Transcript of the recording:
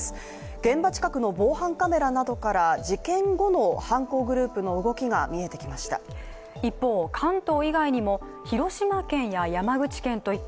現場近くの防犯カメラなどから事件後の犯行グループの動きが見えてきました。